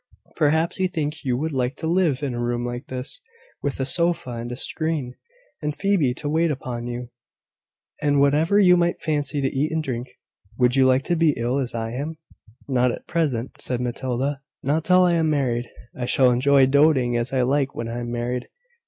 "Perhaps you think you would like to live in a room like this, with a sofa and a screen, and Phoebe to wait upon you, and whatever you might fancy to eat and drink. Would you like to be ill as I am?" "Not at present," said Matilda: "not till I am married. I shall enjoy doing as I like when I am married."